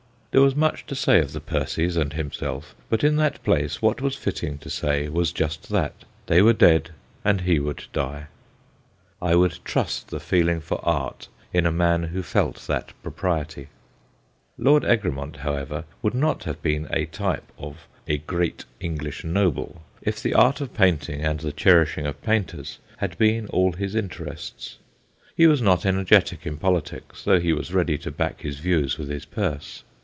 There was much to say of the Percies and himself, but in that place what was fitting to say was just that : they were dead and he would die. I would trust the feeling for art in a man who felt that propriety. Lord Egremont, however, would not have been a type of ' a great English noble ' if the art of THE OLD DUKE OF CAMBRIDGE 131 painting and the cherishing of painters had been all his interests. He was not energetic in politics, though he was ready to back his views with his purse.